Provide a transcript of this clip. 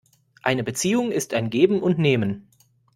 Eine Beziehung ist ein Geben und Nehmen.